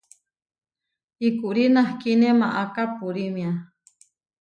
Ikurí nahkíne maaká purímia.